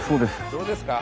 どうですか？